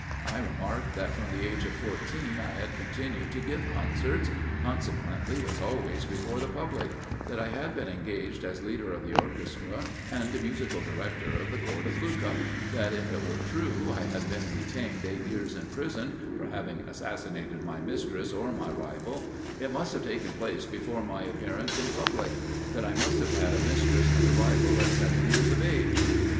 I remarked that from the age of fourteen, I had continued to give concerts, consequently was always before the public; that I had been engaged as leader of the orchestra, and musical director to the Court of Lucca; that if it were true, I had been detained eight years in prison, for having assassinated my mistress or my rival, it must have taken place before my appearance in public; that I must have had a mistress and a rival at seven years of age.